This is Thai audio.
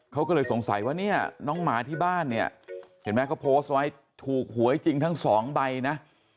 เขาก็เลยสงสัยว่าเนี่ยน้องหมาที่บ้านเนี่ยเห็นไหมเขาโพสต์ไว้ถูกหวยจริงทั้งสองใบนะ